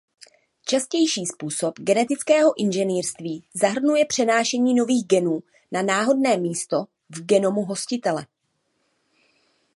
Častější způsob genetického inženýrství zahrnuje přenášení nových genů na náhodné místo v genomu hostitele.